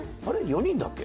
４人だっけ？